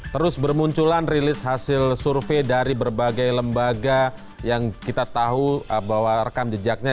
terus bermunculan rilis hasil survei dari berbagai lembaga yang kita tahu bahwa rekam jejaknya